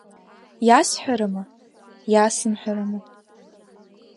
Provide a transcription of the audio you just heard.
Иасҳәарыма, иасымҳәарыма?